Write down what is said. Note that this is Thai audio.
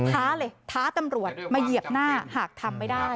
ท้าเลยท้าตำรวจมาเหยียบหน้าหากทำไม่ได้